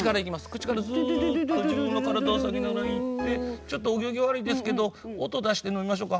口からすっと自分の体を下げながら行ってちょっとお行儀悪いですけど音出して飲みましょうか。